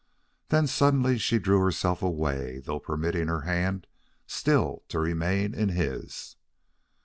Then suddenly she drew herself away, though permitting her hand still to remain in his.